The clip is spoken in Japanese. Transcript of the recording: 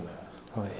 はい。